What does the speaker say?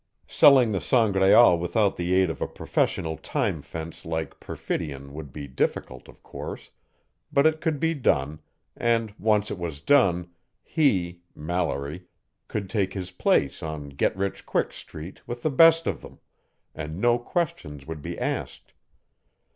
Selling the Sangraal without the aid of a professional time fence like Perfidion would be difficult, of course, but it could be done, and once it was done, he, Mallory, could take his place on Get Rich Quick Street with the best of them, and no questions would be asked.